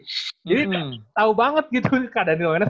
jadi tau banget gitu kak daniel menas